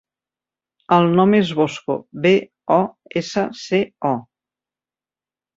El nom és Bosco: be, o, essa, ce, o.